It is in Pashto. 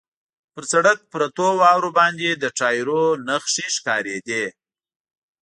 پر سړک پرتو واورو باندې د ټایرو نښې ښکارېدې.